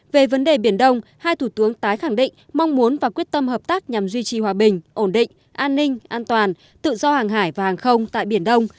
về vấn đề biển đông hai thủ tướng tái khẳng định mong muốn và quyết tâm hợp tác nhằm duy trì hòa bình ổn định an ninh an toàn tự do hàng hải và hàng không tại biển đông